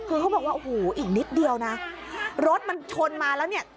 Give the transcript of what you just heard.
คือเขาบอกว่าโอ้โหอีกนิดเดียวนะรถมันชนมาแล้วเนี่ย